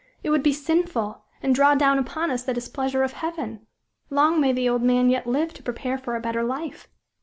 It would be sinful, and draw down upon us the displeasure of Heaven. Long may the old man yet live to prepare for a better life."